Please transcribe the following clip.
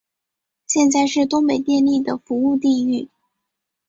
现在是东北电力的服务地域。